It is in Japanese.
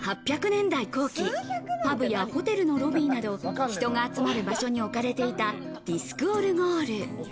１８００年代後期、パブやホテルのロビーなど、人が集まる場所に置かれていたディスクオルゴール。